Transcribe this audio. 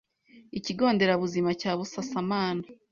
Ikigo Nderabuzima cya Busasamana